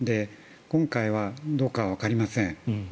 今回はどうかわかりません。